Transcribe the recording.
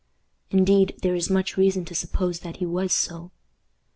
Indeed, there is much reason to suppose that he was so.